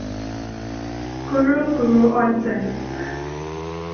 Guru Guru Onsen.